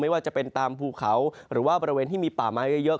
ว่าจะเป็นตามภูเขาหรือว่าบริเวณที่มีป่าไม้เยอะ